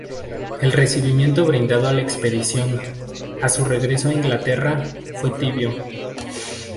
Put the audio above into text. El recibimiento brindado a la expedición, a su regreso a Inglaterra, fue tibio.